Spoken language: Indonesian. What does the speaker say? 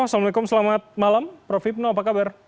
assalamualaikum selamat malam prof hipno apa kabar